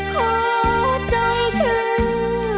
คุ้มภัยท่านเถิดน้ำ